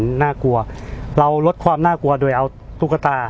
พี่ชอบจริงบอกว่าชอบทุก